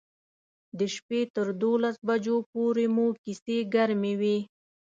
د شپې تر دولس بجو پورې مو کیسې ګرمې وې.